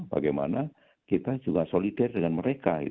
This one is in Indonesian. bagaimana kita juga solidar dengan mereka